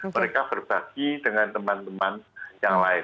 mereka berbagi dengan teman teman yang lain